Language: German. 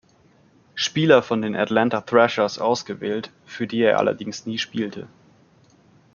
Spieler von den Atlanta Thrashers ausgewählt, für die er allerdings nie spielte.